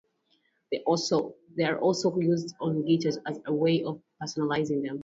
They are also used on guitars as a way of personalizing them.